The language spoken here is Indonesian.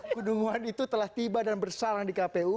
kedunguan itu telah tiba dan bersalah di kpu